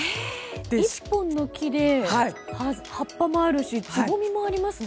１本の木で葉っぱあるしつぼみもありますね。